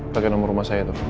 pake nomor rumah saya tuh